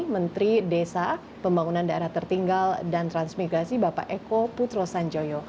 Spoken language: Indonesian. menteri desa pembangunan daerah tertinggal dan transmigrasi bapak eko putro sanjoyo